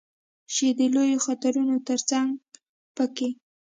چې د لویو خطرونو ترڅنګ په کې